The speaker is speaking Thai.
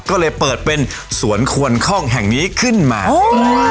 ก็เลยเปิดเป็นสวนควรคล่องแห่งนี้ขึ้นมาโอ้ยโอ้ยโอ้ยโอ้ย